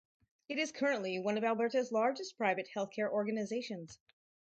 It is currently one of Alberta’s largest private healthcare organizations.